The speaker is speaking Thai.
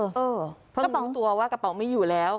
เพราะต้องรู้ตัวว่ากระเป๋าไม่อยู่แล้ว